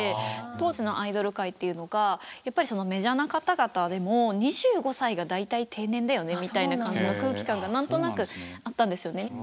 当時のアイドル界っていうのがやっぱりそのメジャーな方々でもみたいな感じの空気感が何となくあったんですよね。